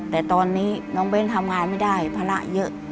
แต่ตอนนี้น้องเบ้นทำงานไม่ได้ภาระเยอะ